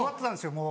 もう。